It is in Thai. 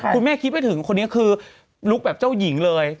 คิดไม่ถึงคนนี้คือลุคแบบเจ้าหญิงเลย